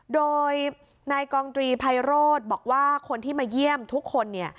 โดยนายกองตรีไพโรธบอกว่าคนที่มาเยี่ยมทุกคนเนี่ย